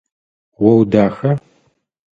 О удаха?